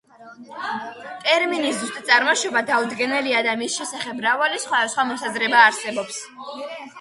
ტერმინის ზუსტი წარმოშობა დაუდგენელია და მის შესახებ მრავალი სხვადასხვა მოსაზრება არსებობს.